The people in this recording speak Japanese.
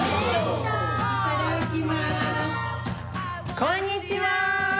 こんにちは！